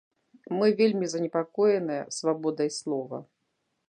Мы вельмі занепакоеныя свабодай слова.